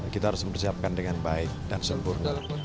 kita harus mempersiapkan dengan baik dan sempurna